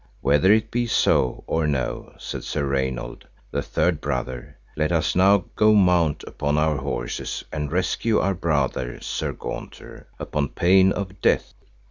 Whether it be so or no, said Sir Raynold, the third brother, let us now go mount upon our horses and rescue our brother Sir Gaunter, upon pain of death.